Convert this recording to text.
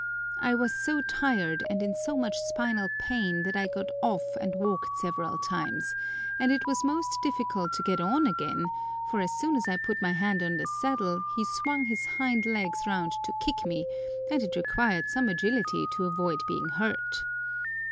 I was so tired and in so much spinal pain that I got off and walked several times, and it was most difficult to get on again, for as soon as I put my hand on the saddle he swung his hind legs round to kick me, and it required some agility to avoid being hurt.